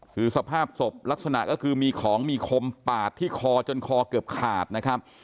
คือสภาพศพลักษณะก็คือมีของมีคมปาดที่คอจนคอเกือบขาดนะครับ